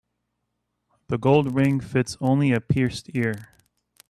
The gold ring fits only a pierced ear.